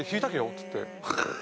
っつって。